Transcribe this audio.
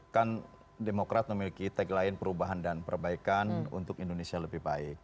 kan demokrat memiliki tagline perubahan dan perbaikan untuk indonesia lebih baik